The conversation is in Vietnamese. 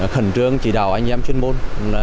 khẩn trương chỉ đào anh em chuyên môn